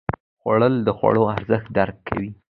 خوړل د خوړو ارزښت درک کوي